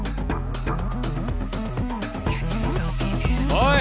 ・おい！